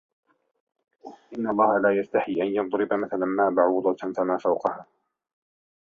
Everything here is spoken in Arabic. إِنَّ اللَّهَ لَا يَسْتَحْيِي أَنْ يَضْرِبَ مَثَلًا مَا بَعُوضَةً فَمَا فَوْقَهَا